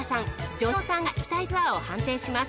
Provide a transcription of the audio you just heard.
ジョニ男さんが行きたいツアーを判定します。